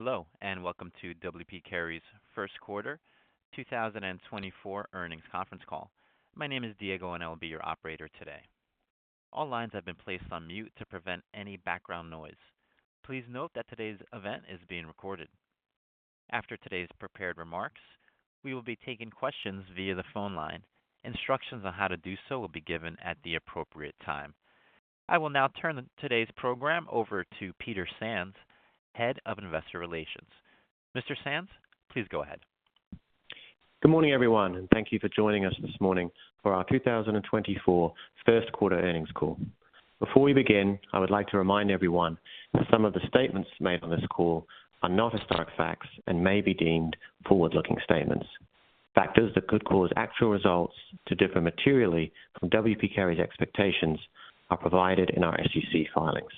Hello and welcome to W. P. Carey's first quarter 2024 earnings conference call. My name is Diego and I'll be your operator today. All lines have been placed on mute to prevent any background noise. Please note that today's event is being recorded. After today's prepared remarks, we will be taking questions via the phone line. Instructions on how to do so will be given at the appropriate time. I will now turn today's program over to Peter Sands, Head of Investor Relations. Mr. Sands, please go ahead. Good morning everyone and thank you for joining us this morning for our 2024 first quarter earnings call. Before we begin, I would like to remind everyone that some of the statements made on this call are not historic facts and may be deemed forward-looking statements. Factors that could cause actual results to differ materially from W. P. Carey's expectations are provided in our SEC filings.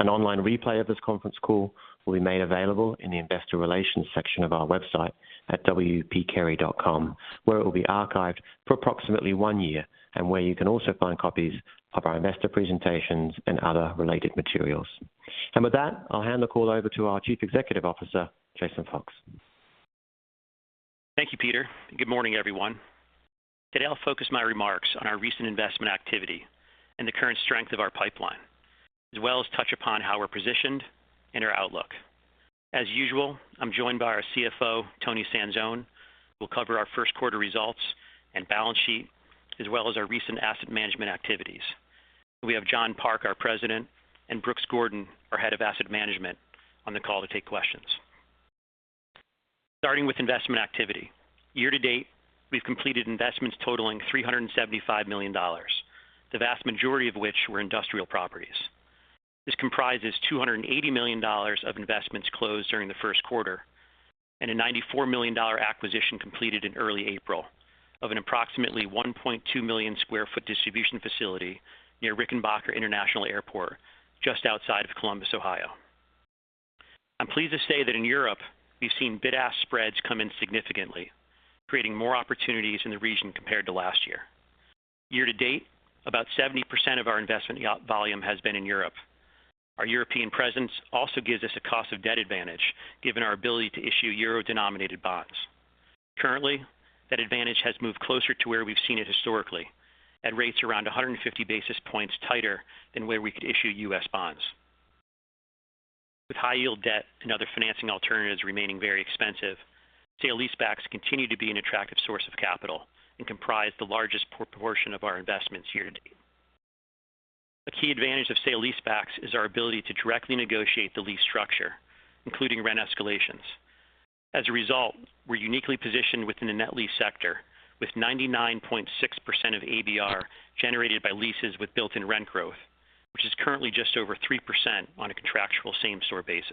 An online replay of this conference call will be made available in the Investor Relations section of our website at wpcarey.com, where it will be archived for approximately one year and where you can also find copies of our investor presentations and other related materials. With that, I'll hand the call over to our Chief Executive Officer, Jason Fox. Thank you, Peter. Good morning everyone. Today I'll focus my remarks on our recent investment activity and the current strength of our pipeline, as well as touch upon how we're positioned and our outlook. As usual, I'm joined by our CFO, Toni Sanzone, who will cover our first quarter results and balance sheet, as well as our recent asset management activities. We have John Park, our President, and Brooks Gordon, our Head of Asset Management, on the call to take questions. Starting with investment activity. year-to-date, we've completed investments totaling $375 million, the vast majority of which were industrial properties. This comprises $280 million of investments closed during the first quarter and a $94 million acquisition completed in early April of an approximately 1.2 million sq ft distribution facility near Rickenbacker International Airport, just outside of Columbus, Ohio. I'm pleased to say that in Europe we've seen bid-ask spreads come in significantly, creating more opportunities in the region compared to last year. Year-to-date, about 70% of our investment volume has been in Europe. Our European presence also gives us a cost-of-debt advantage given our ability to issue euro-denominated bonds. Currently, that advantage has moved closer to where we've seen it historically, at rates around 150 basis points tighter than where we could issue U.S. bonds. With high-yield debt and other financing alternatives remaining very expensive, sale leasebacks continue to be an attractive source of capital and comprise the largest proportion of our investments year-to-date. A key advantage of sale leasebacks is our ability to directly negotiate the lease structure, including rent escalations. As a result, we're uniquely positioned within the net lease sector, with 99.6% of ABR generated by leases with built-in rent growth, which is currently just over 3% on a contractual same-store basis.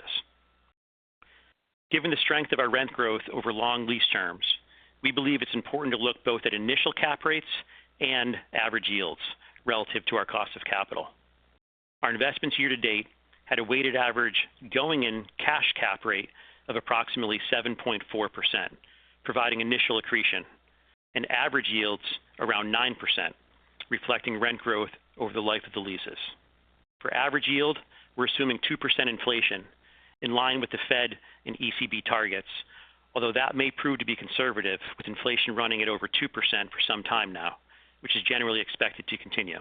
Given the strength of our rent growth over long lease terms, we believe it's important to look both at initial cap rates and average yields relative to our cost of capital. Our investments year-to-date had a weighted average going-in cash cap rate of approximately 7.4%, providing initial accretion, and average yields around 9%, reflecting rent growth over the life of the leases. For average yield, we're assuming 2% inflation, in line with the Fed and ECB targets, although that may prove to be conservative with inflation running at over 2% for some time now, which is generally expected to continue.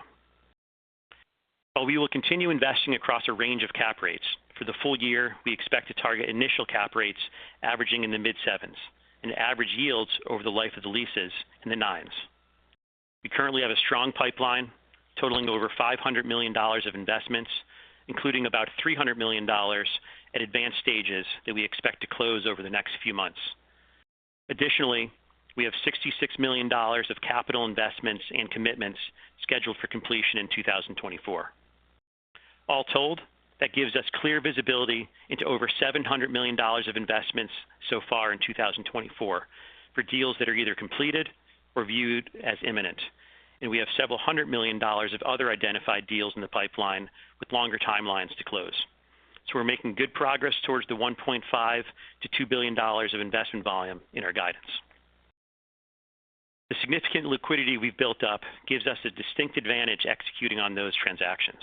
While we will continue investing across a range of cap rates, for the full year we expect to target initial cap rates averaging in the mid-sevens and average yields over the life of the leases in the nines. We currently have a strong pipeline totaling over $500 million of investments, including about $300 million at advanced stages that we expect to close over the next few months. Additionally, we have $66 million of capital investments and commitments scheduled for completion in 2024. All told, that gives us clear visibility into over $700 million of investments so far in 2024 for deals that are either completed or viewed as imminent, and we have several hundred million dollars of other identified deals in the pipeline with longer timelines to close. So we're making good progress towards the $1.5-$2 billion of investment volume in our guidance. The significant liquidity we've built up gives us a distinct advantage executing on those transactions.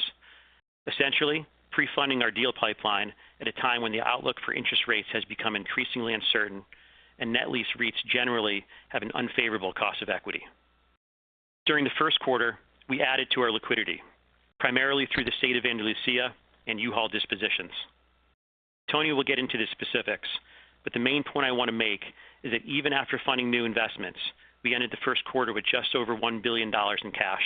Essentially, pre-funding our deal pipeline at a time when the outlook for interest rates has become increasingly uncertain and net lease REITs generally have an unfavorable cost of equity. During the first quarter, we added to our liquidity, primarily through the State of Andalusia and U-Haul dispositions. Toni will get into the specifics, but the main point I want to make is that even after funding new investments, we ended the first quarter with just over $1 billion in cash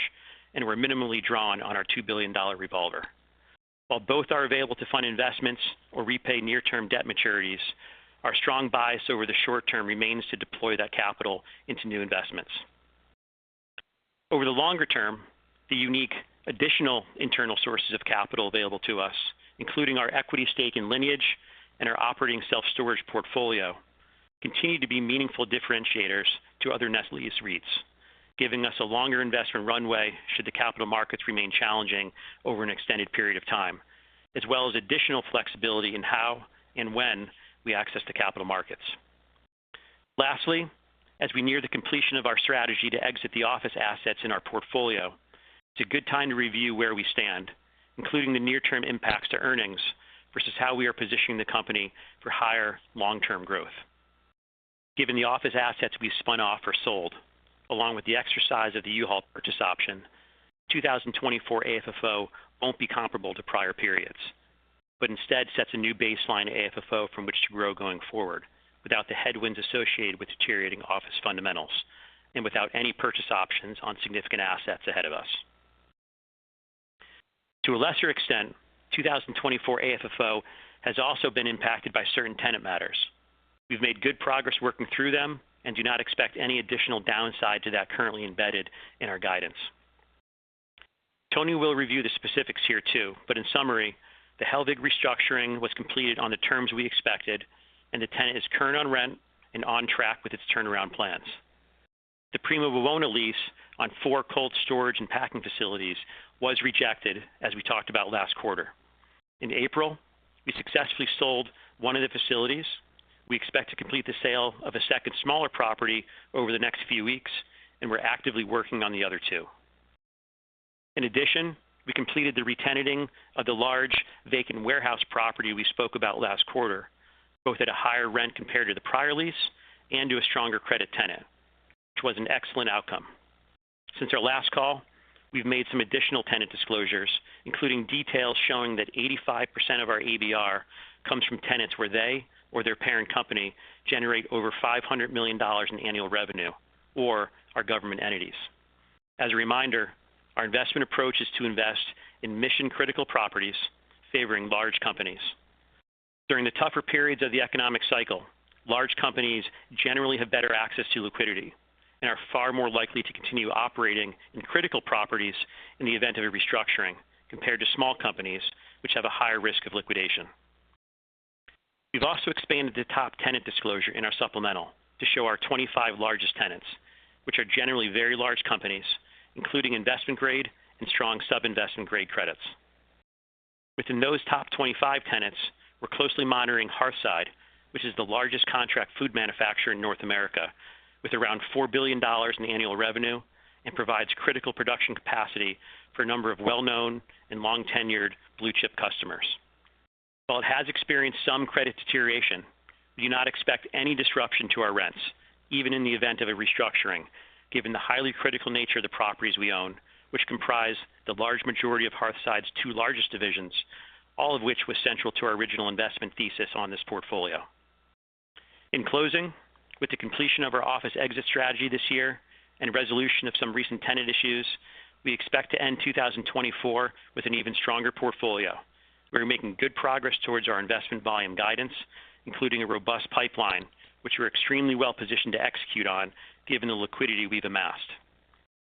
and were minimally drawn on our $2 billion revolver. While both are available to fund investments or repay near-term debt maturities, our strong bias over the short-term remains to deploy that capital into new investments. Over the longer term, the unique additional internal sources of capital available to us, including our equity stake in Lineage and our operating self-storage portfolio, continue to be meaningful differentiators to other net lease REITs, giving us a longer investment runway should the capital markets remain challenging over an extended period of time, as well as additional flexibility in how and when we access the capital markets. Lastly, as we near the completion of our strategy to exit the office assets in our portfolio, it's a good time to review where we stand, including the near-term impacts to earnings versus how we are positioning the company for higher long-term growth. Given the office assets we've spun off or sold, along with the exercise of the U-Haul purchase option, 2024 AFFO won't be comparable to prior periods, but instead sets a new baseline AFFO from which to grow going forward, without the headwinds associated with deteriorating office fundamentals and without any purchase options on significant assets ahead of us. To a lesser extent, 2024 AFFO has also been impacted by certain tenant matters. We've made good progress working through them and do not expect any additional downside to that currently embedded in our guidance. Toni will review the specifics here too, but in summary, the Hellweg restructuring was completed on the terms we expected and the tenant is current on rent and on track with its turnaround plans. The Prima Wawona lease on 4 cold storage and packing facilities was rejected, as we talked about last quarter. In April, we successfully sold one of the facilities. We expect to complete the sale of a second smaller property over the next few weeks, and we're actively working on the other two. In addition, we completed the re-tenanting of the large vacant warehouse property we spoke about last quarter, both at a higher rent compared to the prior lease and to a stronger credit tenant, which was an excellent outcome. Since our last call, we've made some additional tenant disclosures, including details showing that 85% of our ABR comes from tenants where they or their parent company generate over $500 million in annual revenue, or our government entities. As a reminder, our investment approach is to invest in mission-critical properties, favoring large companies. During the tougher periods of the economic cycle, large companies generally have better access to liquidity and are far more likely to continue operating in critical properties in the event of a restructuring compared to small companies, which have a higher risk of liquidation. We've also expanded the top tenant disclosure in our supplemental to show our 25 largest tenants, which are generally very large companies, including investment-grade and strong sub-investment-grade credits. Within those top 25 tenants, we're closely monitoring Hearthside, which is the largest contract food manufacturer in North America, with around $4 billion in annual revenue and provides critical production capacity for a number of well-known and long-tenured blue-chip customers. While it has experienced some credit deterioration, we do not expect any disruption to our rents, even in the event of a restructuring, given the highly critical nature of the properties we own, which comprise the large majority of Hearthside's two largest divisions, all of which were central to our original investment thesis on this portfolio. In closing, with the completion of our office exit strategy this year and resolution of some recent tenant issues, we expect to end 2024 with an even stronger portfolio. We're making good progress towards our investment volume guidance, including a robust pipeline, which we're extremely well-positioned to execute on given the liquidity we've amassed.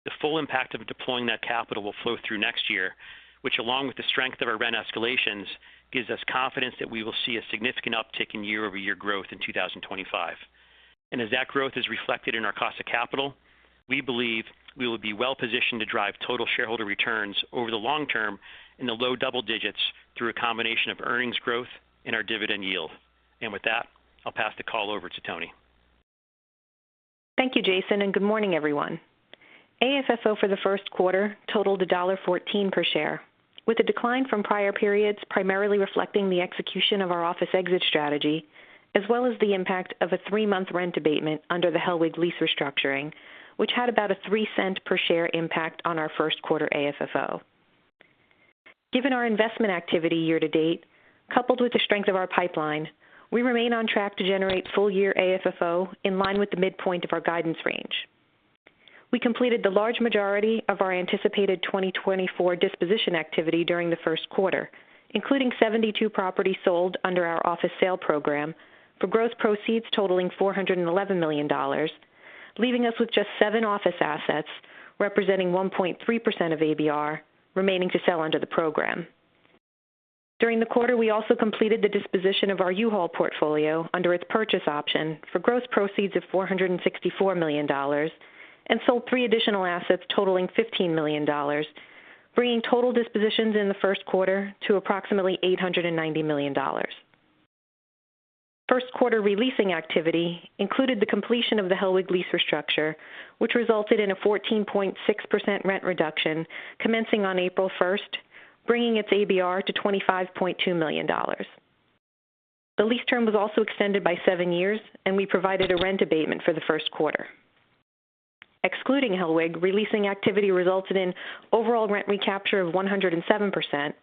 The full impact of deploying that capital will flow through next year, which, along with the strength of our rent escalations, gives us confidence that we will see a significant uptick in year-over-year growth in 2025. As that growth is reflected in our cost of capital, we believe we will be well-positioned to drive total shareholder returns over the long term in the low double digits through a combination of earnings growth and our dividend yield. With that, I'll pass the call over to Toni. Thank you, Jason, and good morning everyone. AFFO for the first quarter totaled $1.14 per share, with a decline from prior periods primarily reflecting the execution of our office exit strategy, as well as the impact of a three-month rent abatement under the Hellweg lease restructuring, which had about a $0.03 per share impact on our first quarter AFFO. Given our investment activity year-to-date, coupled with the strength of our pipeline, we remain on track to generate full-year AFFO in line with the midpoint of our guidance range. We completed the large majority of our anticipated 2024 disposition activity during the first quarter, including 72 properties sold under our office sale program for gross proceeds totaling $411 million, leaving us with just seven office assets representing 1.3% of ABR remaining to sell under the program. During the quarter, we also completed the disposition of our U-Haul portfolio under its purchase option for gross proceeds of $464 million and sold three additional assets totaling $15 million, bringing total dispositions in the first quarter to approximately $890 million. First quarter releasing activity included the completion of the Hellweg lease restructure, which resulted in a 14.6% rent reduction commencing on April 1st, bringing its ABR to $25.2 million. The lease term was also extended by seven years, and we provided a rent abatement for the first quarter. Excluding Hellweg, releasing activity resulted in overall rent recapture of 107%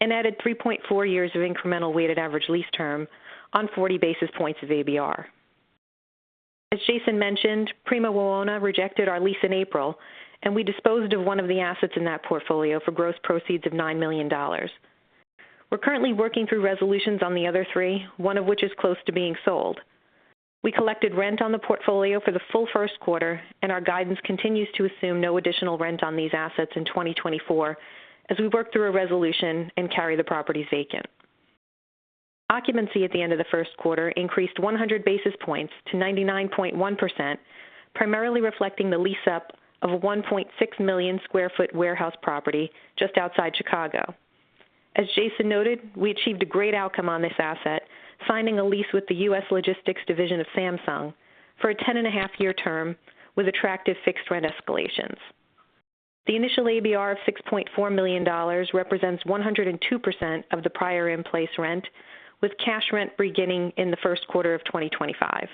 and added 3.4 years of incremental weighted average lease term on 40 basis points of ABR. As Jason mentioned, Prima Wawona rejected our lease in April, and we disposed of one of the assets in that portfolio for gross proceeds of $9 million. We're currently working through resolutions on the other three, one of which is close to being sold. We collected rent on the portfolio for the full first quarter, and our guidance continues to assume no additional rent on these assets in 2024 as we work through a resolution and carry the properties vacant. Occupancy at the end of the first quarter increased 100 basis points to 99.1%, primarily reflecting the lease-up of a 1.6 million sq ft warehouse property just outside Chicago. As Jason noted, we achieved a great outcome on this asset, signing a lease with the U.S. logistics division of Samsung for a 10.5-year term with attractive fixed rent escalations. The initial ABR of $6.4 million represents 102% of the prior-in-place rent, with cash rent beginning in the first quarter of 2025.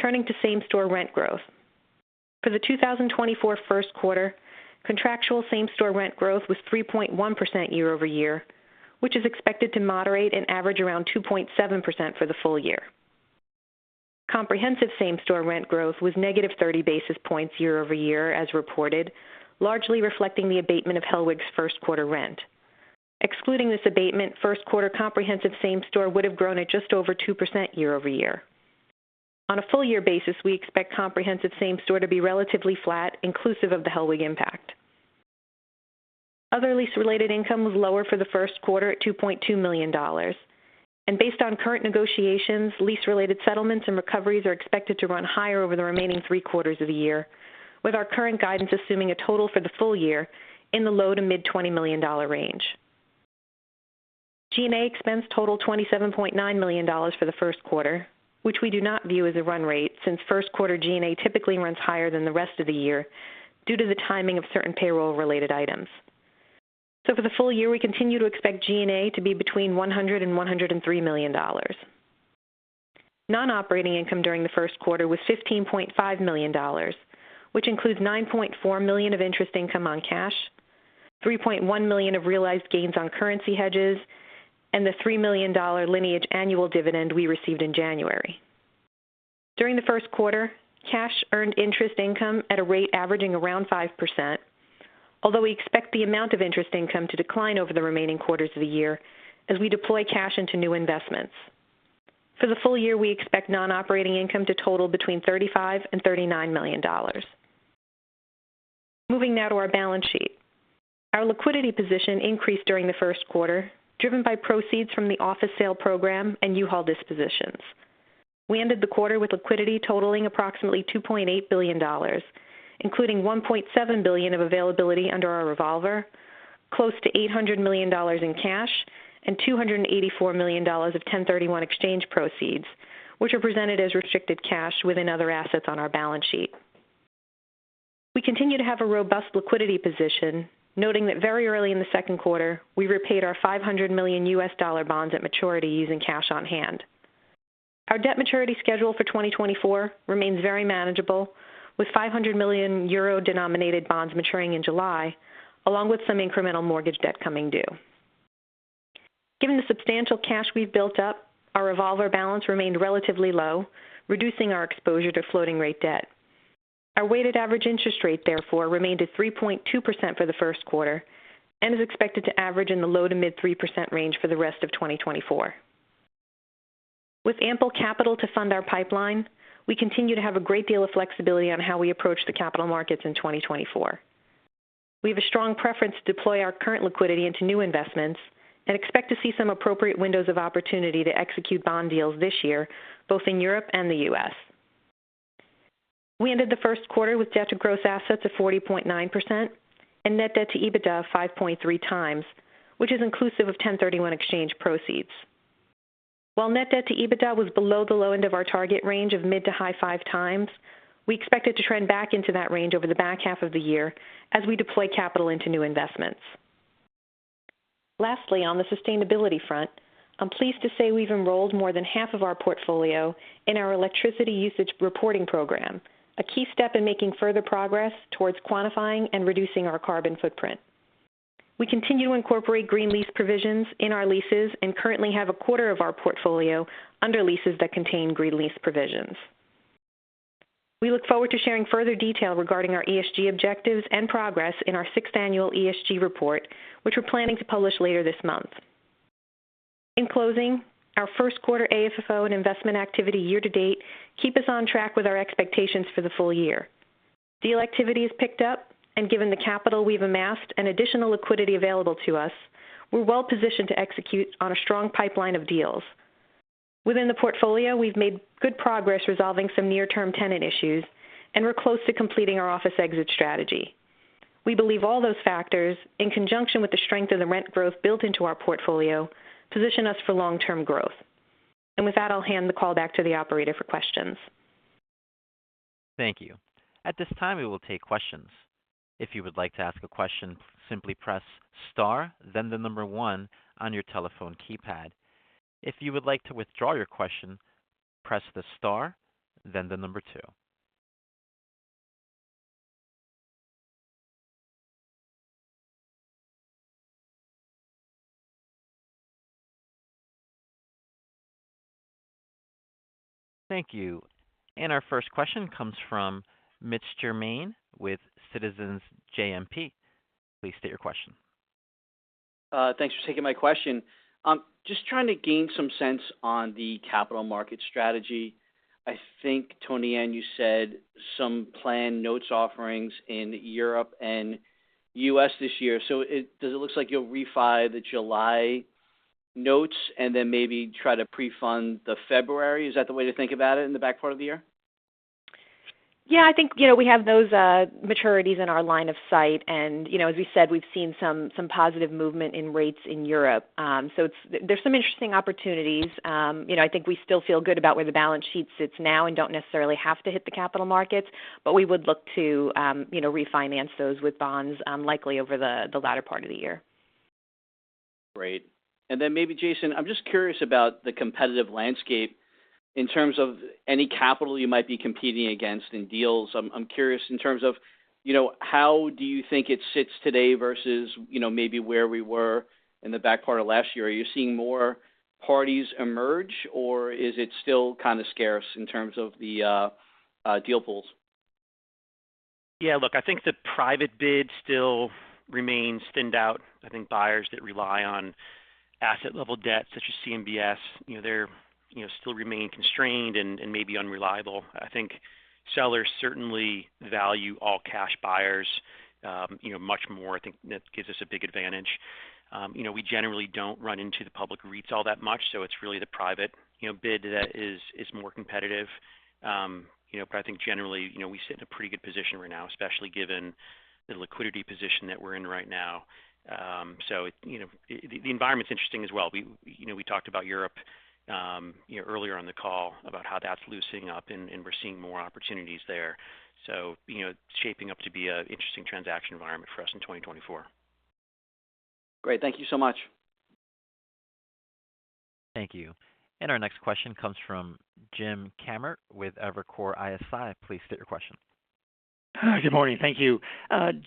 Turning to same-store rent growth. For the 2024 first quarter, contractual same-store rent growth was 3.1% year-over-year, which is expected to moderate and average around 2.7% for the full year. Comprehensive same-store rent growth was -30 basis points year-over-year, as reported, largely reflecting the abatement of Hellweg's first quarter rent. Excluding this abatement, first quarter comprehensive same-store would have grown at just over 2% year-over-year. On a full-year basis, we expect comprehensive same-store to be relatively flat, inclusive of the Hellweg impact. Other lease-related income was lower for the first quarter at $2.2 million, and based on current negotiations, lease-related settlements and recoveries are expected to run higher over the remaining three quarters of the year, with our current guidance assuming a total for the full year in the low to mid-$20 million range. G&A expense totaled $27.9 million for the first quarter, which we do not view as a run rate since first quarter G&A typically runs higher than the rest of the year due to the timing of certain payroll-related items. So for the full year, we continue to expect G&A to be between $100-$103 million. Non-operating income during the first quarter was $15.5 million, which includes $9.4 million of interest income on cash, $3.1 million of realized gains on currency hedges, and the $3 million Lineage annual dividend we received in January. During the first quarter, cash earned interest income at a rate averaging around 5%, although we expect the amount of interest income to decline over the remaining quarters of the year as we deploy cash into new investments. For the full year, we expect non-operating income to total between $35 million-$39 million. Moving now to our balance sheet. Our liquidity position increased during the first quarter, driven by proceeds from the office sale program and U-Haul dispositions. We ended the quarter with liquidity totaling approximately $2.8 billion, including $1.7 billion of availability under our revolver, close to $800 million in cash, and $284 million of 1031 exchange proceeds, which are presented as restricted cash within other assets on our balance sheet. We continue to have a robust liquidity position, noting that very early in the second quarter, we repaid our $500 million U.S. bonds at maturity using cash on hand. Our debt maturity schedule for 2024 remains very manageable, with 500 million euro-denominated bonds maturing in July, along with some incremental mortgage debt coming due. Given the substantial cash we've built up, our revolver balance remained relatively low, reducing our exposure to floating-rate debt. Our weighted average interest rate, therefore, remained at 3.2% for the first quarter and is expected to average in the low to mid-3% range for the rest of 2024. With ample capital to fund our pipeline, we continue to have a great deal of flexibility on how we approach the capital markets in 2024. We have a strong preference to deploy our current liquidity into new investments and expect to see some appropriate windows of opportunity to execute bond deals this year, both in Europe and the U.S. We ended the first quarter with debt to gross assets of 40.9% and net debt to EBITDA of 5.3x, which is inclusive of 1031 exchange proceeds. While net debt to EBITDA was below the low end of our target range of mid-5x to high-5x, we expect it to trend back into that range over the back half of the year as we deploy capital into new investments. Lastly, on the sustainability front, I'm pleased to say we've enrolled more than half of our portfolio in our electricity usage reporting program, a key step in making further progress towards quantifying and reducing our carbon footprint. We continue to incorporate green lease provisions in our leases and currently have a quarter of our portfolio under leases that contain green lease provisions. We look forward to sharing further detail regarding our ESG objectives and progress in our sixth annual ESG report, which we're planning to publish later this month. In closing, our first quarter AFFO and investment activity year-to-date keep us on track with our expectations for the full year. Deal activity has picked up, and given the capital we've amassed and additional liquidity available to us, we're well-positioned to execute on a strong pipeline of deals. Within the portfolio, we've made good progress resolving some near-term tenant issues, and we're close to completing our office exit strategy. We believe all those factors, in conjunction with the strength of the rent growth built into our portfolio, position us for long-term growth. And with that, I'll hand the call back to the operator for questions. Thank you. At this time, we will take questions. If you would like to ask a question, simply press star then the number one on your telephone keypad. If you would like to withdraw your question, press the star then the number two. Thank you. And our first question comes from Mitch Germain with Citizens JMP. Please state your question. Thanks for taking my question. I'm just trying to gain some sense on the capital markets strategy. I think, ToniAnn, you said some planned notes offerings in Europe and U.S. this year. So does it look like you'll re-file the July notes and then maybe try to pre-fund the February? Is that the way to think about it in the back part of the year? Yeah, I think we have those maturities in our line of sight. As we said, we've seen some positive movement in rates in Europe. There's some interesting opportunities. I think we still feel good about where the balance sheet sits now and don't necessarily have to hit the capital markets, but we would look to refinance those with bonds, likely over the latter part of the year. Great. Then maybe, Jason, I'm just curious about the competitive landscape in terms of any capital you might be competing against in deals. I'm curious in terms of how do you think it sits today versus maybe where we were in the back part of last year. Are you seeing more parties emerge, or is it still kind of scarce in terms of the deal pools? Yeah, look, I think the private bid still remains thinned out. I think buyers that rely on asset-level debt, such as CMBS, they still remain constrained and maybe unreliable. I think sellers certainly value all-cash buyers much more. I think that gives us a big advantage. We generally don't run into the public REITs all that much, so it's really the private bid that is more competitive. But I think generally, we sit in a pretty good position right now, especially given the liquidity position that we're in right now. So the environment's interesting as well. We talked about Europe earlier on the call about how that's loosening up, and we're seeing more opportunities there. So it's shaping up to be an interesting transaction environment for us in 2024. Great. Thank you so much. Thank you. Our next question comes from Jim Kammert with Evercore ISI. Please state your question. Good morning. Thank you.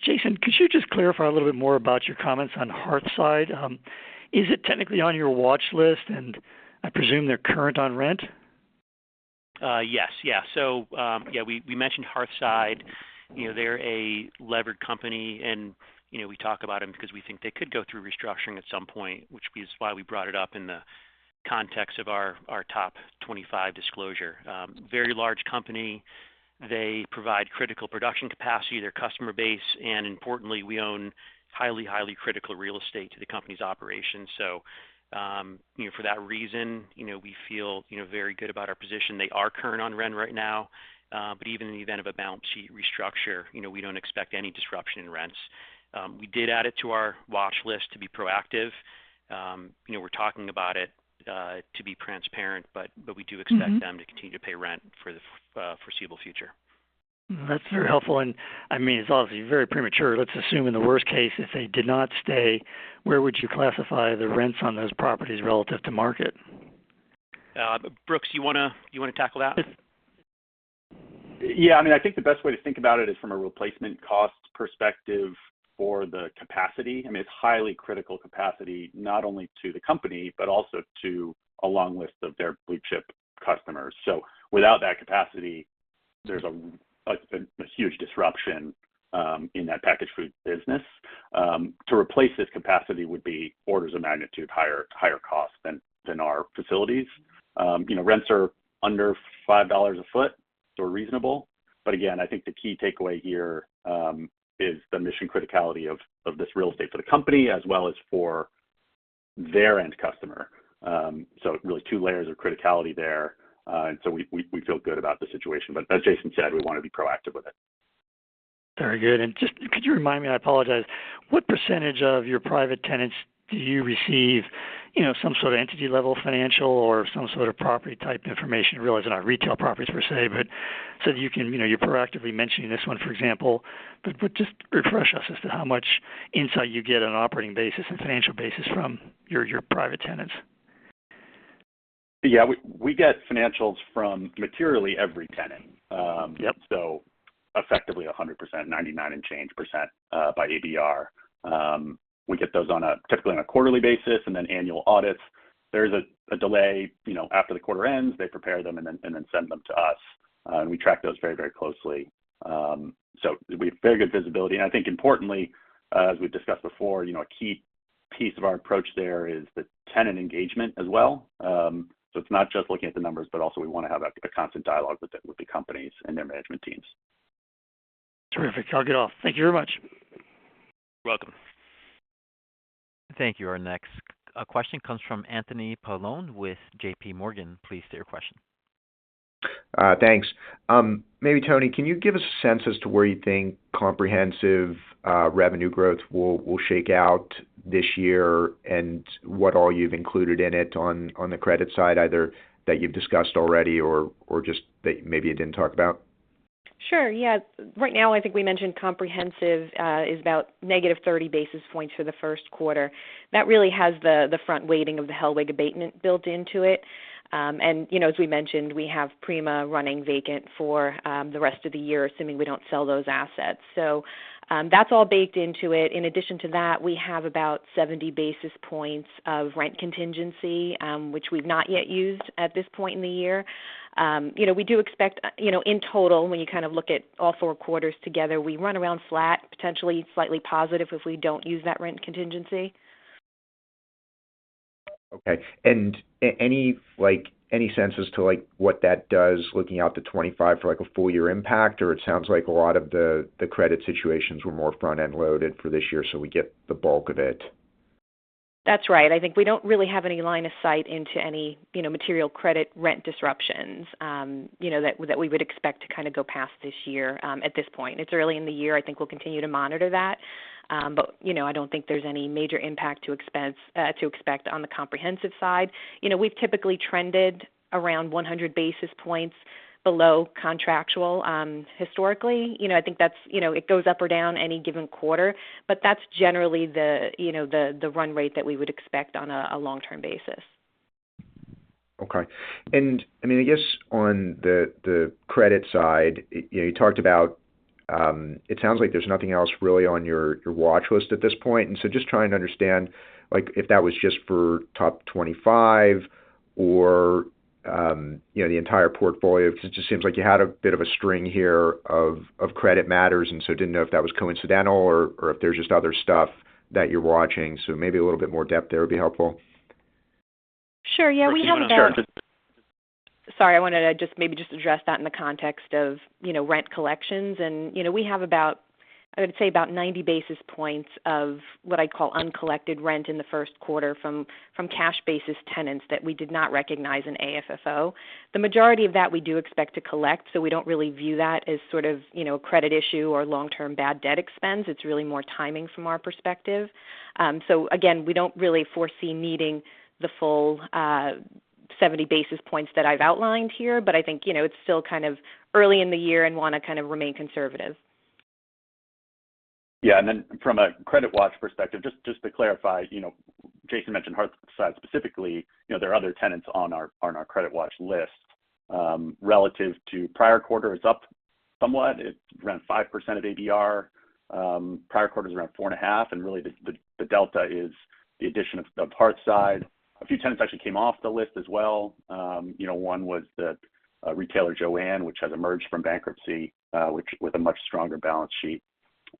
Jason, could you just clarify a little bit more about your comments on Hearthside? Is it technically on your watchlist, and I presume they're current on rent? Yes. Yeah. So yeah, we mentioned Hearthside. They're a leveraged company, and we talk about them because we think they could go through restructuring at some point, which is why we brought it up in the context of our top 25 disclosure. Very large company. They provide critical production capacity, their customer base, and importantly, we own highly, highly critical real estate to the company's operations. So for that reason, we feel very good about our position. They are current on rent right now, but even in the event of a balance sheet restructure, we don't expect any disruption in rents. We did add it to our watchlist to be proactive. We're talking about it to be transparent, but we do expect them to continue to pay rent for the foreseeable future. That's very helpful. I mean, it's obviously very premature. Let's assume in the worst case, if they did not stay, where would you classify the rents on those properties relative to market? Brooks, you want to tackle that? Yeah. I mean, I think the best way to think about it is from a replacement cost perspective for the capacity. I mean, it's highly critical capacity, not only to the company but also to a long list of their blue-chip customers. So without that capacity, there's a huge disruption in that packaged food business. To replace this capacity would be orders of magnitude higher cost than our facilities. Rents are under $5 a foot, so reasonable. But again, I think the key takeaway here is the mission criticality of this real estate for the company as well as for their end customer. So really, two layers of criticality there. And so we feel good about the situation. But as Jason said, we want to be proactive with it. Very good. And just could you remind me - and I apologize - what percentage of your private tenants do you receive some sort of entity-level financial or some sort of property-type information? Realize they're not retail properties per se, but so that you can, you're proactively mentioning this one, for example. But just refresh us as to how much insight you get on an operating basis and financial basis from your private tenants. Yeah. We get financials from materially every tenant, so effectively 100%, 99% and change by ABR. We get those typically on a quarterly basis and then annual audits. There's a delay. After the quarter ends, they prepare them and then send them to us. We track those very, very closely. We have very good visibility. I think, importantly, as we've discussed before, a key piece of our approach there is the tenant engagement as well. It's not just looking at the numbers, but also we want to have a constant dialogue with the companies and their management teams. Terrific. I'll get off. Thank you very much. You're welcome. Thank you. Our next question comes from Anthony Paolone with JPMorgan. Please state your question. Thanks. Maybe, Toni, can you give us a sense as to where you think comprehensive revenue growth will shake out this year and what all you've included in it on the credit side, either that you've discussed already or just that maybe you didn't talk about? Sure. Yeah. Right now, I think we mentioned comprehensive is about -30 basis points for the first quarter. That really has the front weighting of the Hellweg abatement built into it. And as we mentioned, we have Prima running vacant for the rest of the year, assuming we don't sell those assets. So that's all baked into it. In addition to that, we have about 70 basis points of rent contingency, which we've not yet used at this point in the year. We do expect in total, when you kind of look at all four quarters together, we run around flat, potentially slightly positive if we don't use that rent contingency. Okay. And any sense as to what that does looking out to 2025 for a full-year impact? Or it sounds like a lot of the credit situations were more front-end loaded for this year, so we get the bulk of it. That's right. I think we don't really have any line of sight into any material credit rent disruptions that we would expect to kind of go past this year at this point. It's early in the year. I think we'll continue to monitor that. But I don't think there's any major impact to expect on the comprehensive side. We've typically trended around 100 basis points below contractual historically. I think that it goes up or down any given quarter, but that's generally the run rate that we would expect on a long-term basis. Okay. I mean, I guess on the credit side, you talked about it sounds like there's nothing else really on your watchlist at this point. So just trying to understand if that was just for top 25 or the entire portfolio because it just seems like you had a bit of a string here of credit matters, and so didn't know if that was coincidental or if there's just other stuff that you're watching. So maybe a little bit more depth there would be helpful. Sure. Yeah, we have about. Sorry, I wanted to maybe just address that in the context of rent collections. We have about, I would say, about 90 basis points of what I'd call uncollected rent in the first quarter from cash-basis tenants that we did not recognize in AFFO. The majority of that we do expect to collect, so we don't really view that as sort of a credit issue or long-term bad debt expense. It's really more timing from our perspective. So again, we don't really foresee needing the full 70 basis points that I've outlined here, but I think it's still kind of early in the year and want to kind of remain conservative. Yeah. And then from a credit watch perspective, just to clarify, Jason mentioned Hearthside specifically. There are other tenants on our credit watch list. Relative to prior quarter, it's up somewhat. It's around 5% of ABR. Prior quarter's around 4.5%. Really, the delta is the addition of Hearthside. A few tenants actually came off the list as well. One was the retailer JOANN, which has emerged from bankruptcy with a much stronger balance sheet.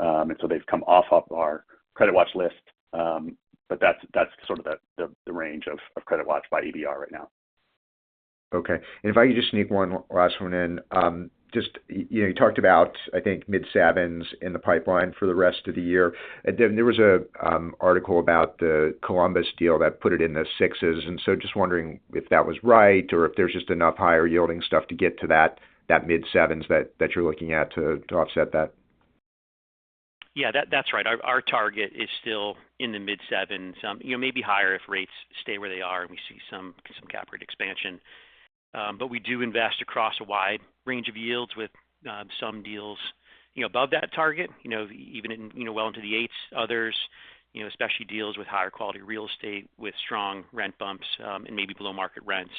So they've come off of our credit watch list. That's sort of the range of credit watch by ABR right now. Okay. And if I could just sneak one last one in. You talked about, I think, mid-sevens in the pipeline for the rest of the year. And then there was an article about the Columbus deal that put it in the sixes. And so just wondering if that was right or if there's just enough higher-yielding stuff to get to that mid-sevens that you're looking at to offset that. Yeah, that's right. Our target is still in the mid-sevens, maybe higher if rates stay where they are and we see some cap rate expansion. But we do invest across a wide range of yields with some deals above that target, even well into the eights. Others, especially deals with higher-quality real estate with strong rent bumps and maybe below-market rents,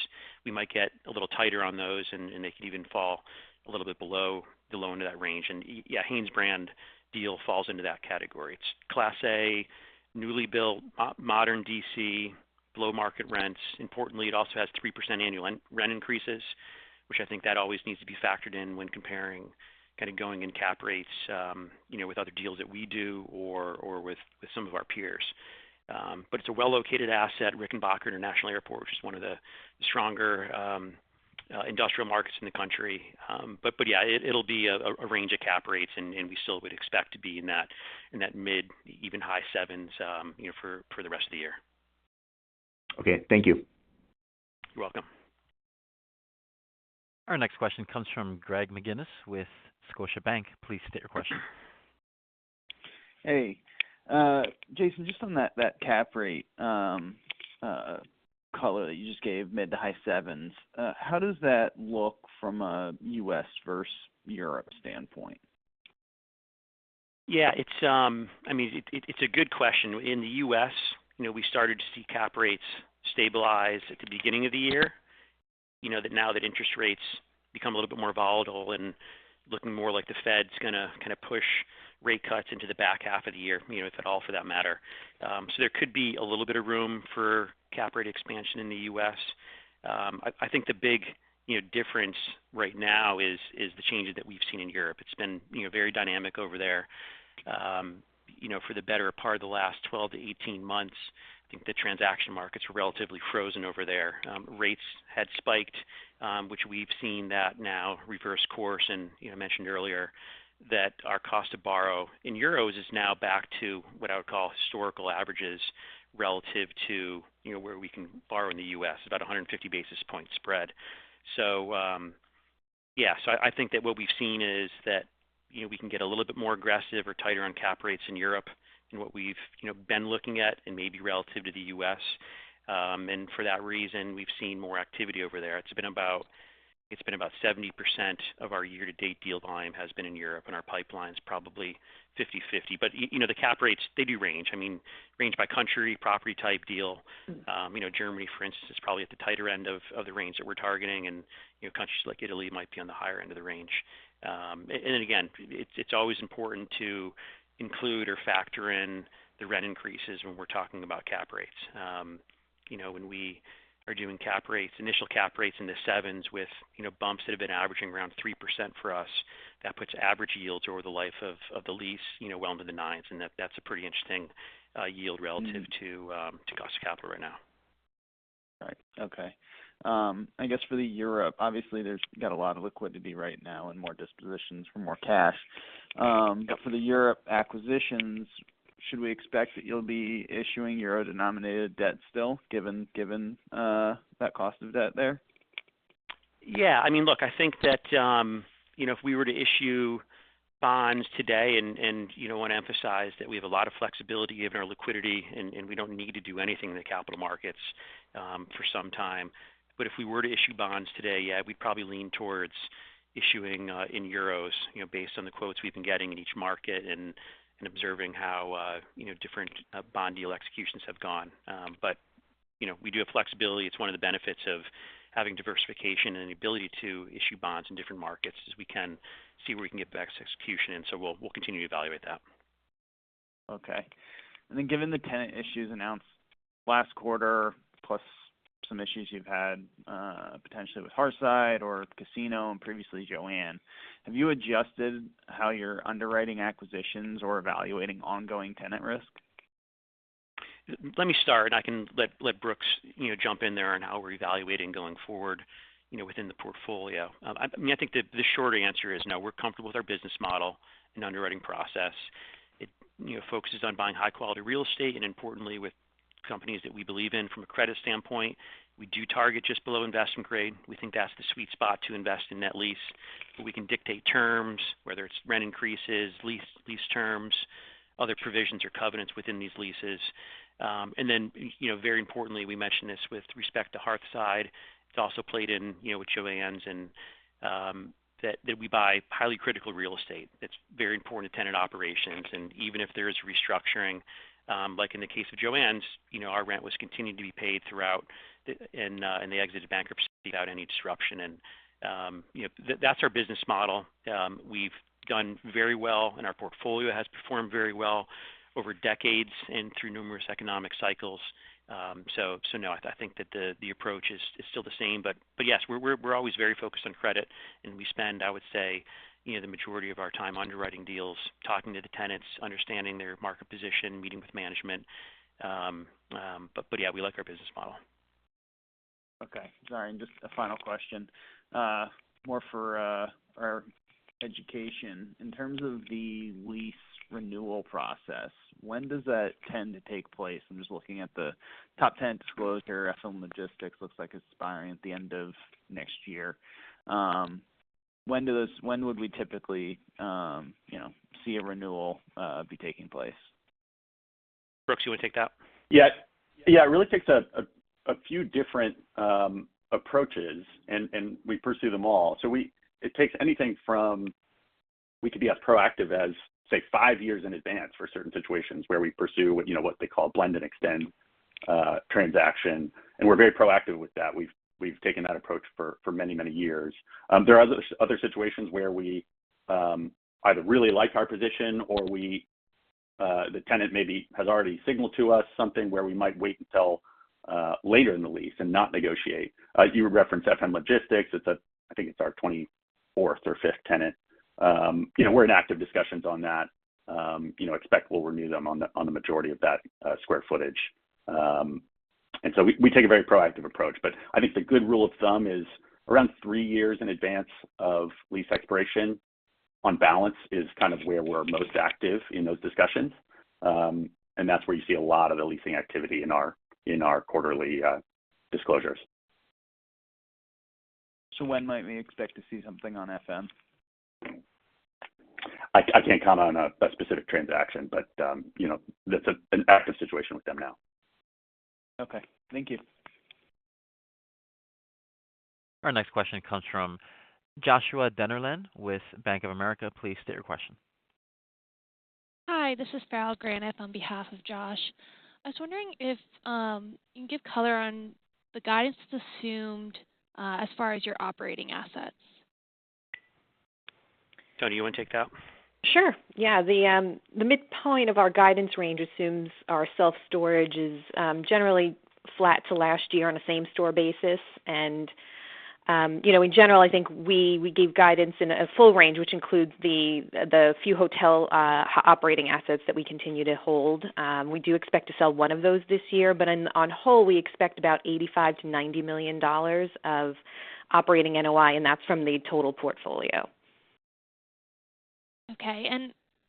we might get a little tighter on those, and they could even fall a little bit below the low end of that range. And yeah, HanesBrands deal falls into that category. It's Class A, newly built, modern DC, below-market rents. Importantly, it also has 3% annual rent increases, which I think that always needs to be factored in when comparing kind of going in cap rates with other deals that we do or with some of our peers. But it's a well-located asset, Rickenbacker International Airport, which is one of the stronger industrial markets in the country. But yeah, it'll be a range of cap rates, and we still would expect to be in that mid, even high sevens for the rest of the year. Okay. Thank you. You're welcome. Our next question comes from Greg McGinniss with Scotiabank. Please state your question. Hey. Jason, just on that cap rate color that you just gave, mid-to-high sevens, how does that look from a U.S. versus Europe standpoint? Yeah. I mean, it's a good question. In the U.S., we started to see cap rates stabilize at the beginning of the year, now that interest rates become a little bit more volatile and looking more like the Fed's going to kind of push rate cuts into the back half of the year, if at all, for that matter. So there could be a little bit of room for cap rate expansion in the U.S. I think the big difference right now is the changes that we've seen in Europe. It's been very dynamic over there. For the better part of the last 12-18 months, I think the transaction markets were relatively frozen over there. Rates had spiked, which we've seen that now reverse course. And I mentioned earlier that our cost to borrow in euros is now back to what I would call historical averages relative to where we can borrow in the U.S., about 150 basis points spread. So yeah. So I think that what we've seen is that we can get a little bit more aggressive or tighter on cap rates in Europe than what we've been looking at and maybe relative to the U.S. And for that reason, we've seen more activity over there. It's been about 70% of our year-to-date deal volume has been in Europe and our pipeline's probably 50/50. But the cap rates, they do range. I mean, range by country, property-type deal. Germany, for instance, is probably at the tighter end of the range that we're targeting, and countries like Italy might be on the higher end of the range. Then again, it's always important to include or factor in the rent increases when we're talking about cap rates. When we are doing initial cap rates in the sevens with bumps that have been averaging around 3% for us, that puts average yields over the life of the lease well into the 9s. And that's a pretty interesting yield relative to cost of capital right now. Right. Okay. I guess for Europe, obviously, they've got a lot of liquidity right now and more dispositions for more cash. But for Europe acquisitions, should we expect that you'll be issuing euro-denominated debt still given that cost of debt there? Yeah. I mean, look, I think that if we were to issue bonds today and want to emphasize that we have a lot of flexibility given our liquidity and we don't need to do anything in the capital markets for some time. But if we were to issue bonds today, yeah, we'd probably lean towards issuing in euros based on the quotes we've been getting in each market and observing how different bond deal executions have gone. But we do have flexibility. It's one of the benefits of having diversification and the ability to issue bonds in different markets is we can see where we can get back to execution. And so we'll continue to evaluate that. Okay. And then given the tenant issues announced last quarter plus some issues you've had potentially with Hearthside or Casino and previously JOANN, have you adjusted how you're underwriting acquisitions or evaluating ongoing tenant risk? Let me start. I can let Brooks jump in there on how we're evaluating going forward within the portfolio. I mean, I think the shorter answer is no. We're comfortable with our business model and underwriting process. It focuses on buying high-quality real estate and, importantly, with companies that we believe in from a credit standpoint. We do target just below investment grade. We think that's the sweet spot to invest in net lease. We can dictate terms, whether it's rent increases, lease terms, other provisions, or covenants within these leases. And then very importantly, we mentioned this with respect to Hearthside. It's also played in with JoAnn's that we buy highly critical real estate. That's very important to tenant operations. And even if there is restructuring, like in the case of JoAnn's, our rent was continued to be paid throughout and they exited bankruptcy without any disruption. And that's our business model. We've done very well, and our portfolio has performed very well over decades and through numerous economic cycles. So no, I think that the approach is still the same. But yes, we're always very focused on credit. And we spend, I would say, the majority of our time underwriting deals, talking to the tenants, understanding their market position, meeting with management. But yeah, we like our business model. Okay. Sorry. And just a final question, more for our education. In terms of the lease renewal process, when does that tend to take place? I'm just looking at the top 10 disclosure. FM Logistic looks like it's expiring at the end of next year. When would we typically see a renewal be taking place? Brooks, you want to take that? Yeah. Yeah. It really takes a few different approaches, and we pursue them all. So it takes anything from we could be as proactive as, say, five years in advance for certain situations where we pursue what they call a blend-and-extend transaction. And we're very proactive with that. We've taken that approach for many, many years. There are other situations where we either really like our position or the tenant maybe has already signaled to us something where we might wait until later in the lease and not negotiate. You referenced FM Logistic. I think it's our 24th or 5th tenant. We're in active discussions on that. Expect we'll renew them on the majority of that square footage. And so we take a very proactive approach. But I think the good rule of thumb is around three years in advance of lease expiration on balance is kind of where we're most active in those discussions. And that's where you see a lot of the leasing activity in our quarterly disclosures. When might we expect to see something on FM? I can't comment on a specific transaction, but that's an active situation with them now. Okay. Thank you. Our next question comes from Joshua Dennerlein with Bank of America. Please state your question. Hi. This is Farrell Granath on behalf of Josh. I was wondering if you can give color on the guidance that's assumed as far as your operating assets? Toni, you want to take that? Sure. Yeah. The mid-point of our guidance range assumes our self-storage is generally flat to last year on a same-store basis. And in general, I think we give guidance in a full range, which includes the few hotel operating assets that we continue to hold. We do expect to sell one of those this year. But on whole, we expect about $85 million-$90 million of operating NOI, and that's from the total portfolio. Okay.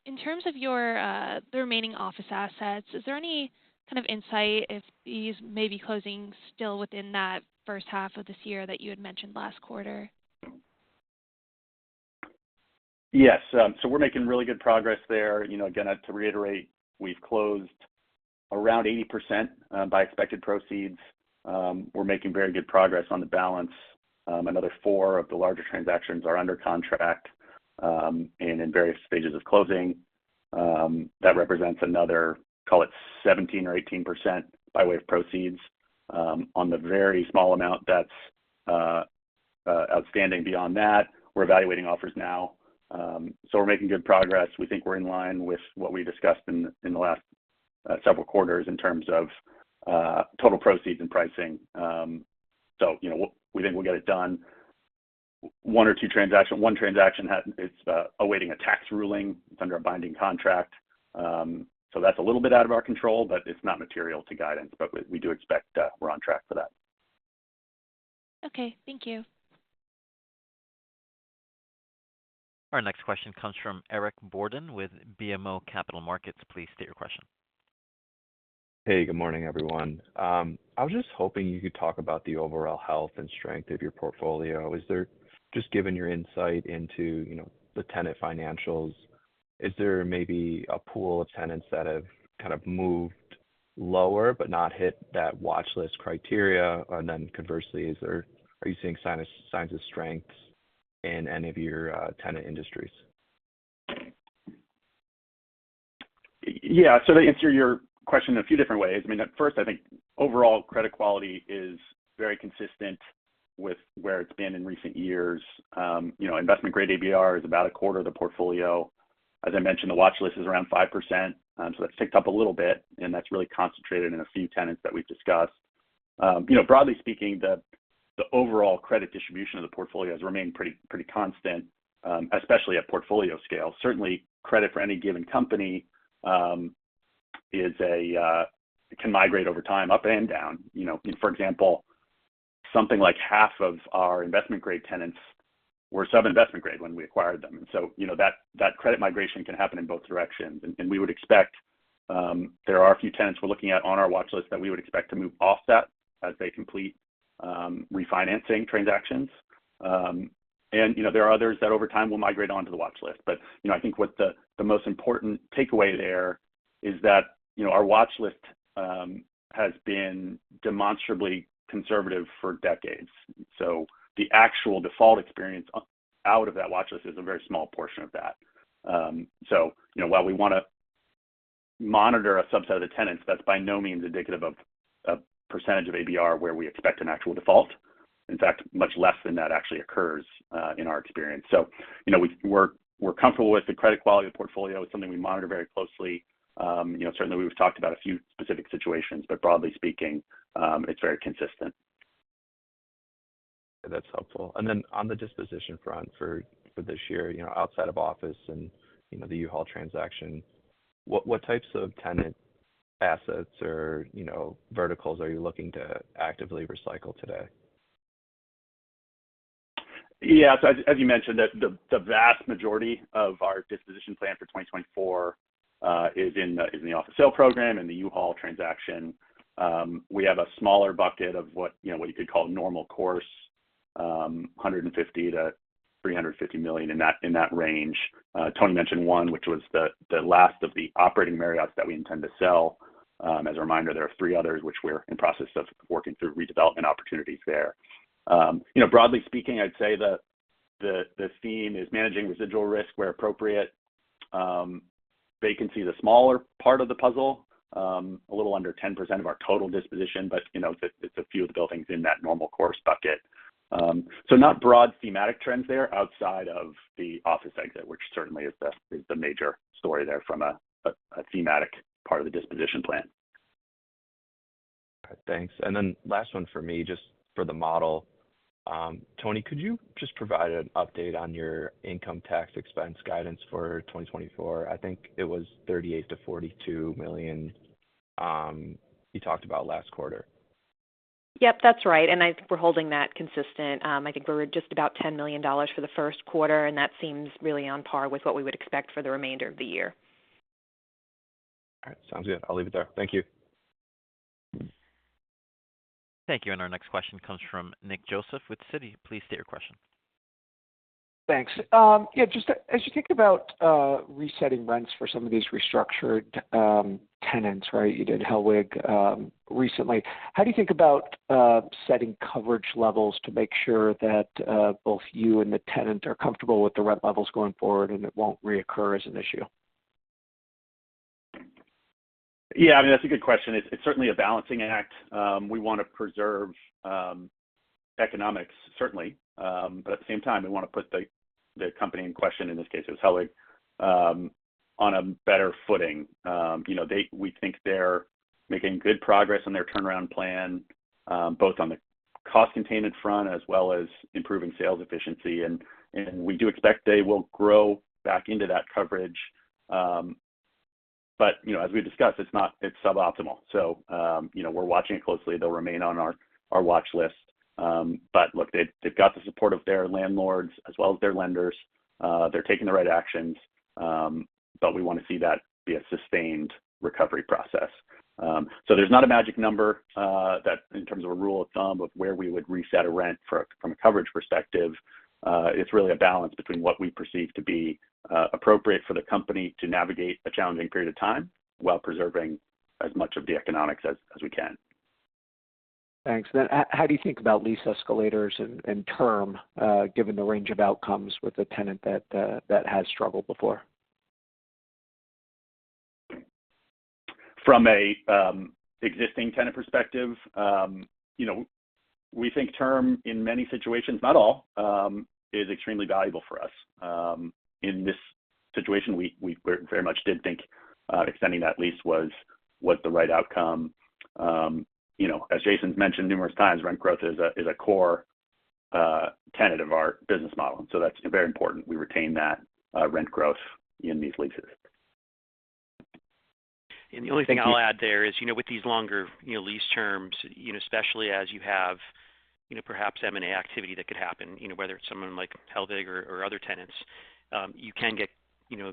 In terms of the remaining office assets, is there any kind of insight if these may be closing still within that first half of this year that you had mentioned last quarter? Yes. So we're making really good progress there. Again, to reiterate, we've closed around 80% by expected proceeds. We're making very good progress on the balance. Another four of the larger transactions are under contract and in various stages of closing. That represents another, call it 17% or 18% by way of proceeds. On the very small amount that's outstanding beyond that, we're evaluating offers now. So we're making good progress. We think we're in line with what we discussed in the last several quarters in terms of total proceeds and pricing. So we think we'll get it done. One transaction, it's awaiting a tax ruling. It's under a binding contract. So that's a little bit out of our control, but it's not material to guidance. But we do expect we're on track for that. Okay. Thank you. Our next question comes from Eric Borden with BMO Capital Markets. Please state your question. Hey. Good morning, everyone. I was just hoping you could talk about the overall health and strength of your portfolio. Just given your insight into the tenant financials, is there maybe a pool of tenants that have kind of moved lower but not hit that watchlist criteria? And then conversely, are you seeing signs of strength in any of your tenant industries? Yeah. So to answer your question in a few different ways, I mean, first, I think overall credit quality is very consistent with where it's been in recent years. Investment-grade ABR is about a quarter of the portfolio. As I mentioned, the watchlist is around 5%. So that's ticked up a little bit, and that's really concentrated in a few tenants that we've discussed. Broadly speaking, the overall credit distribution of the portfolio has remained pretty constant, especially at portfolio scale. Certainly, credit for any given company can migrate over time up and down. For example, something like half of our investment-grade tenants were sub-investment grade when we acquired them. And so that credit migration can happen in both directions. And we would expect there are a few tenants we're looking at on our watchlist that we would expect to move off that as they complete refinancing transactions. There are others that over time will migrate onto the watchlist. But I think what the most important takeaway there is that our watchlist has been demonstrably conservative for decades. So the actual default experience out of that watchlist is a very small portion of that. So while we want to monitor a subset of the tenants, that's by no means indicative of a percentage of ABR where we expect an actual default. In fact, much less than that actually occurs in our experience. So we're comfortable with the credit quality of the portfolio. It's something we monitor very closely. Certainly, we've talked about a few specific situations, but broadly speaking, it's very consistent. That's helpful. And then on the disposition front for this year, outside of office and the U-Haul transaction, what types of tenant assets or verticals are you looking to actively recycle today? Yeah. So as you mentioned, the vast majority of our disposition plan for 2024 is in the office sale program and the U-Haul transaction. We have a smaller bucket of what you could call normal course, $150 million-$350 million in that range. Toni mentioned one, which was the last of the operating Marriott that we intend to sell. As a reminder, there are three others, which we're in process of working through redevelopment opportunities there. Broadly speaking, I'd say the theme is managing residual risk where appropriate. Vacancy is a smaller part of the puzzle, a little under 10% of our total disposition, but it's a few of the buildings in that normal course bucket. So not broad thematic trends there outside of the office exit, which certainly is the major story there from a thematic part of the disposition plan. All right. Thanks. And then last one for me, just for the model. Toni, could you just provide an update on your income tax expense guidance for 2024? I think it was $38 million-$42 million you talked about last quarter. Yep. That's right. And I think we're holding that consistent. I think we're just about $10 million for the first quarter, and that seems really on par with what we would expect for the remainder of the year. All right. Sounds good. I'll leave it there. Thank you. Thank you. And our next question comes from Nick Joseph with Citi. Please state your question. Thanks. Yeah. Just as you think about resetting rents for some of these restructured tenants, right? You did Hellweg recently. How do you think about setting coverage levels to make sure that both you and the tenant are comfortable with the rent levels going forward and it won't reoccur as an issue? Yeah. I mean, that's a good question. It's certainly a balancing act. We want to preserve economics, certainly. But at the same time, we want to put the company in question—in this case, it was Hellweg—on a better footing. We think they're making good progress on their turnaround plan, both on the cost-containment front as well as improving sales efficiency. And we do expect they will grow back into that coverage. But as we discussed, it's suboptimal. So we're watching it closely. They'll remain on our watchlist. But look, they've got the support of their landlords as well as their lenders. They're taking the right actions. But we want to see that be a sustained recovery process. So there's not a magic number in terms of a rule of thumb of where we would reset a rent from a coverage perspective. It's really a balance between what we perceive to be appropriate for the company to navigate a challenging period of time while preserving as much of the economics as we can. Thanks. Then how do you think about lease escalators and term given the range of outcomes with a tenant that has struggled before? From an existing tenant perspective, we think term in many situations not all is extremely valuable for us. In this situation, we very much did think extending that lease was the right outcome. As Jason has mentioned numerous times, rent growth is a core tenet of our business model. So that's very important. We retain that rent growth in these leases. The only thing I'll add there is with these longer lease terms, especially as you have perhaps M&A activity that could happen, whether it's someone like Hellweg or other tenants, you can get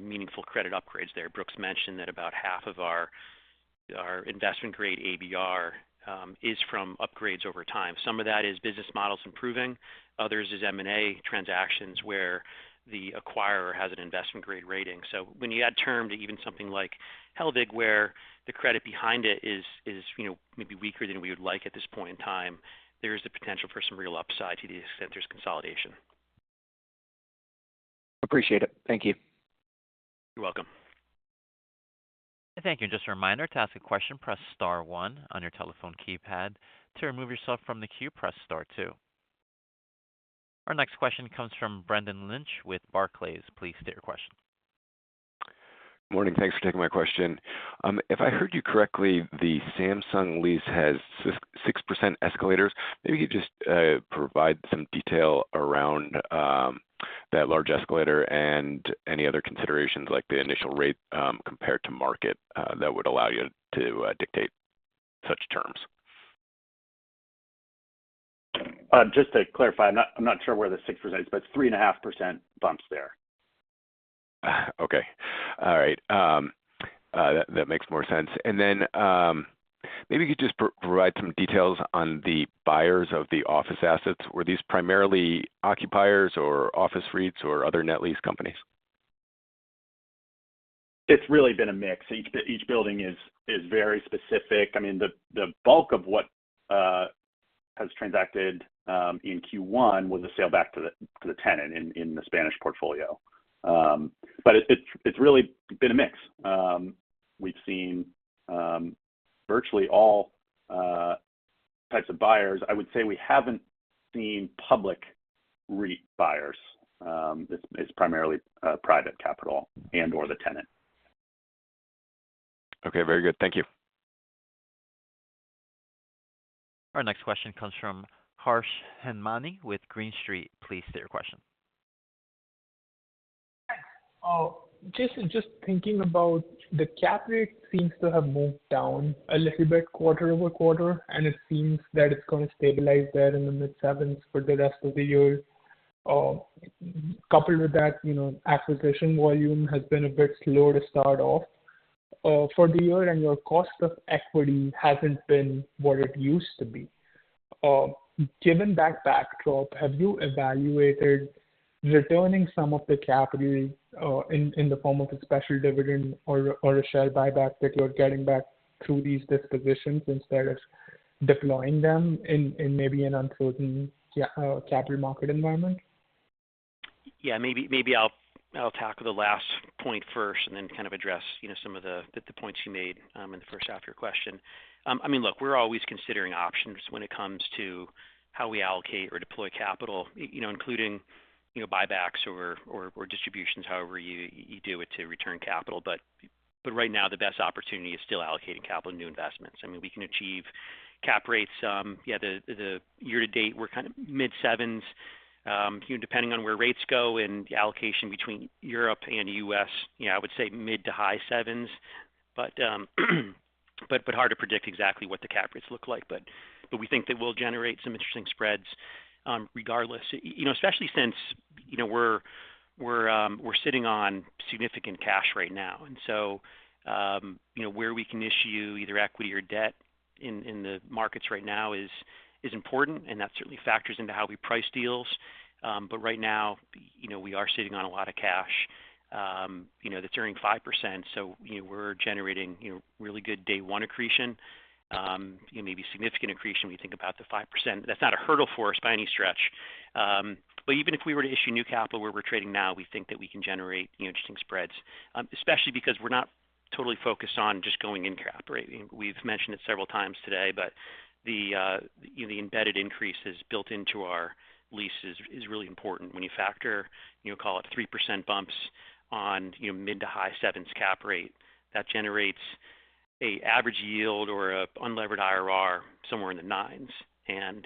meaningful credit upgrades there. Brooks mentioned that about half of our investment-grade ABR is from upgrades over time. Some of that is business models improving. Others is M&A transactions where the acquirer has an investment-grade rating. So when you add term to even something like Hellweg where the credit behind it is maybe weaker than we would like at this point in time, there is the potential for some real upside to the extent there's consolidation. Appreciate it. Thank you. You're welcome. Thank you. Just a reminder, to ask a question, press star one on your telephone keypad. To remove yourself from the queue, press star two. Our next question comes from Brendan Lynch with Barclays. Please state your question. Good morning. Thanks for taking my question. If I heard you correctly, the Samsung lease has 6% escalators. Maybe you could just provide some detail around that large escalator and any other considerations like the initial rate compared to market that would allow you to dictate such terms. Just to clarify, I'm not sure where the 6% is, but it's 3.5% bumps there. Okay. All right. That makes more sense. And then maybe you could just provide some details on the buyers of the office assets. Were these primarily occupiers or office REITs or other net lease companies? It's really been a mix. Each building is very specific. I mean, the bulk of what has transacted in Q1 was a sale back to the tenant in the Spanish portfolio. But it's really been a mix. We've seen virtually all types of buyers. I would say we haven't seen public REIT buyers. It's primarily private capital and/or the tenant. Okay. Very good. Thank you. Our next question comes from Harsh Hemnani with Green Street. Please state your question. Thanks. Jason, just thinking about the cap rate, it seems to have moved down a little bit quarter-over-quarter, and it seems that it's going to stabilize there in the mid-sevens for the rest of the year. Coupled with that, acquisition volume has been a bit slow to start off for the year, and your cost of equity hasn't been what it used to be. Given that backdrop, have you evaluated returning some of the capital in the form of a special dividend or a share buyback that you're getting back through these dispositions instead of deploying them in maybe an uncertain capital market environment? Yeah. Maybe I'll tackle the last point first and then kind of address some of the points you made in the first half of your question. I mean, look, we're always considering options when it comes to how we allocate or deploy capital, including buybacks or distributions, however you do it to return capital. But right now, the best opportunity is still allocating capital to new investments. I mean, we can achieve cap rates yeah, the year-to-date, we're kind of mid-sevens. Depending on where rates go and allocation between Europe and U.S., I would say mid to high sevens, but hard to predict exactly what the cap rates look like. But we think that we'll generate some interesting spreads regardless, especially since we're sitting on significant cash right now. And so where we can issue either equity or debt in the markets right now is important, and that certainly factors into how we price deals. But right now, we are sitting on a lot of cash that's earning 5%. So we're generating really good day-one accretion, maybe significant accretion when you think about the 5%. That's not a hurdle for us by any stretch. But even if we were to issue new capital where we're trading now, we think that we can generate interesting spreads, especially because we're not totally focused on just going in cap, right? We've mentioned it several times today, but the embedded increase is built into our leases is really important. When you factor, call it 3% bumps on mid-to high-sevens cap rate, that generates an average yield or an unlevered IRR somewhere in the nines.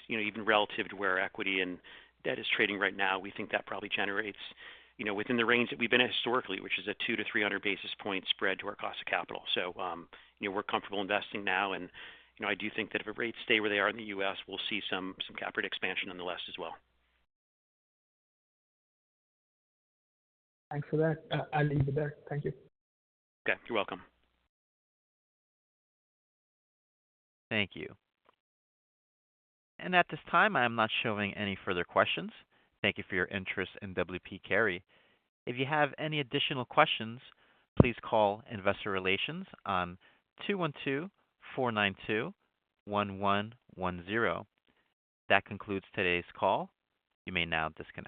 Even relative to where equity and debt is trading right now, we think that probably generates within the range that we've been at historically, which is a 200 basis point-300 basis point spread to our cost of capital. We're comfortable investing now. I do think that if the rates stay where they are in the U.S., we'll see some cap rate expansion nonetheless as well. Thanks for that. I'll leave it there. Thank you. Okay. You're welcome. Thank you. At this time, I am not showing any further questions. Thank you for your interest in W. P. Carey. If you have any additional questions, please call Investor Relations on 212-492-1110. That concludes today's call. You may now disconnect.